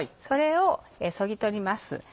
それをそぎ取ります。